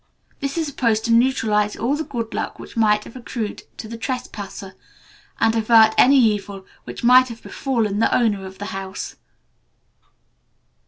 This is supposed to neutralise all the good luck which might have accrued to the trespasser, and avert any evil which might have befallen the owner of the house."